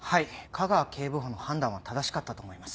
架川警部補の判断は正しかったと思います。